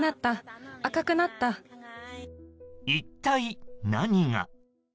一体、何が。